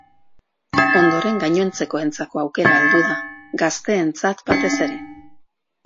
Ondoren gainontzekoentzako aukera heldu da, gazteentzat batez ere.